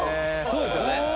そうですよね？